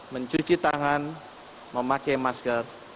mencuci tangan memakai masker